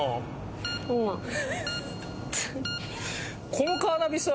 このカーナビさ